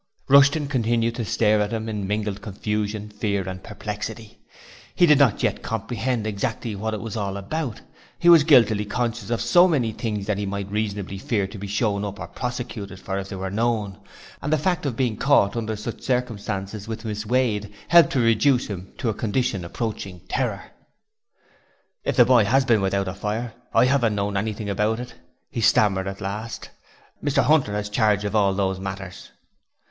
Rushton continued to stare at him in mingled confusion, fear and perplexity; he did not yet comprehend exactly what it was all about; he was guiltily conscious of so many things which he might reasonably fear to be shown up or prosecuted for if they were known, and the fact of being caught under such circumstances with Miss Wade helped to reduce him to a condition approaching terror. 'If the boy has been there without a fire, I 'aven't known anything about it,' he stammered at last. 'Mr 'Unter has charge of all those matters.'